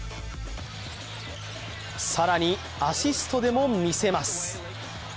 更に、アシストでも見せます。